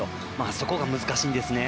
そこが難しいんですね。